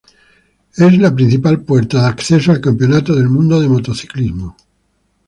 Es la principal puerta de acceso al Campeonato del Mundo de Motociclismo.